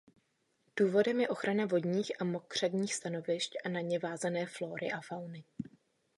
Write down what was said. Důvodem je ochrana vodních a mokřadních stanovišť a na ně vázané flory a fauny.